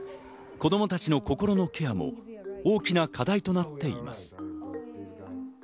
子供たちの心のケアも大きな課題となっています。